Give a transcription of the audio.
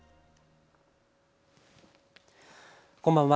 こんばんは。